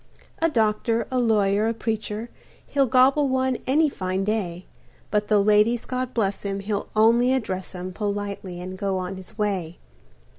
A doctor, a lawyer, a preacher, He'll gobble one any fine day, But the ladies, God bless 'em, he'll only address 'em Politely and go on his way.